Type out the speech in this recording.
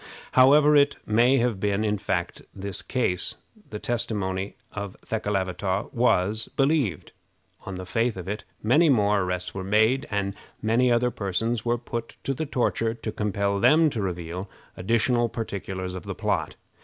However it may have been in fact in this case, the testimony of Thekelavitaw was believed. On the faith of it many more arrests were made, and many other persons were put to the torture to compel them to reveal additional particulars of the plot.